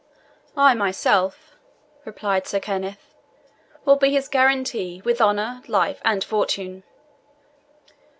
"I myself," replied Sir Kenneth, "will be his guarantee, with honour, life, and fortune."